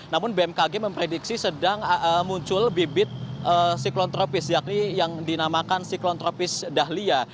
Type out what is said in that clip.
namun bmkg memprediksi sedang muncul bibit siklon tropis yakni yang dinamakan siklon tropis dahlia